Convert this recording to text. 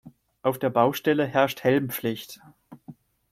Auf der Baustelle herrscht Helmpflicht.